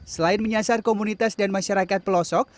selain menyasar komunitas dan masyarakat pelosok